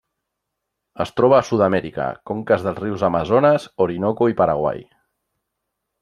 Es troba a Sud-amèrica: conques dels rius Amazones, Orinoco i Paraguai.